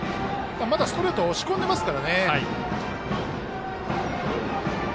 まだストレート押し込んでますからね。